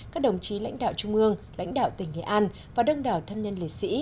các đồng chí lãnh đạo trung ương lãnh đạo tỉnh nghệ an và đông đảo thân nhân liệt sĩ